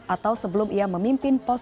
atau sebelum ia memimpin perusahaan bumn